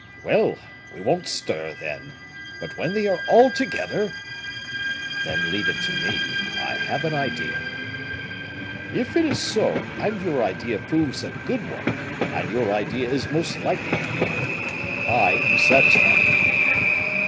"Well! we won't stir, then; but when they are all together " "Then leave it to me, I have an idea." "If it is so, and your idea proves a good one and your idea is most likely to be good I am satisfied."